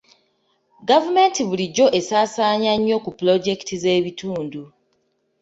Gavumenti bulijjo esaasaanya nnyo ku pulojekiti z'ebitundu.